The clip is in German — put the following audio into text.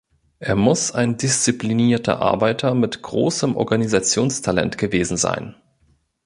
Er muss ein disziplinierter Arbeiter mit großem Organisationstalent gewesen sein.